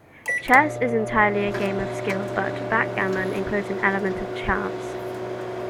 Chess is entirely a game of skill, but backgammon includes an element of chance